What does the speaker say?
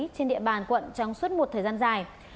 trên địa bàn quận trong suốt một thời gian dài